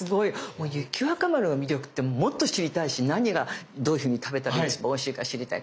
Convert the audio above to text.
もう雪若丸の魅力ってもっと知りたいし何がどういうふうに食べたら一番おいしいか知りたい。